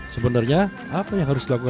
sebenarnya apa yang harus dilakukan